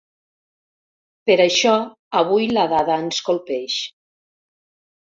Per això avui la dada ens colpeix.